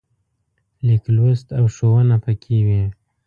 لیک لوست او ښوونه پکې وي.